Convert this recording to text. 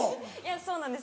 そうなんです